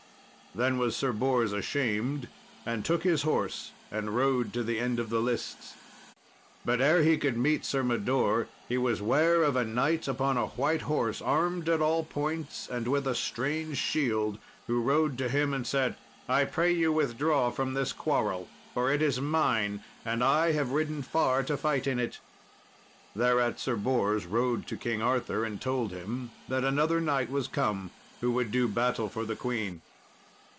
Then was Sir Bors ashamed, and took his horse and rode to the end of the lists. But ere he could meet Sir Mador he was ware of a knight upon a white horse, armed at all points, and with a strange shield, who rode to him and said, "I pray you withdraw from this quarrel, for it is mine, and I have ridden far to fight in it." Thereat Sir Bors rode to King Arthur, and told him that another knight was come who would do battle for the queen.